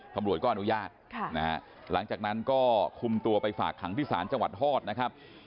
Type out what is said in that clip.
ธรรมรวยก็อนุญาตนะฮะหลังจากนั้นก็คุมตัวไปฝากขังพิสารจังหวัดฮอตนะครับ